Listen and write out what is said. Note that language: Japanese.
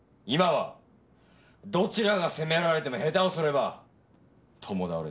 今はどちらが攻められても下手をすれば共倒れだ。